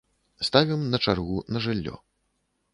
Ставім на чаргу на жыллё.